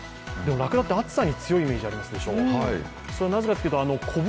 ラクダって暑さに強いイメージあるでしょ。